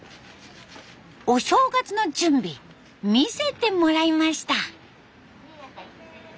お正月の準備見せてもらいました。